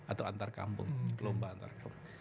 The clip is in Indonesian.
atau antarkampung kelomba antarkampung